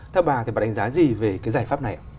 theo bà thì bà đánh giá gì về cái giải pháp này ạ